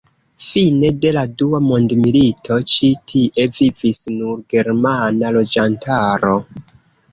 Fine de la dua mondmilito ĉi tie vivis nur germana loĝantaro.